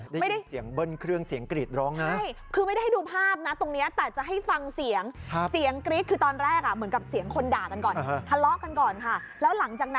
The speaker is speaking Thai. ได้ยินเสียงเบิ้ลเครื่องเสียงกรี๊ดร้องนะ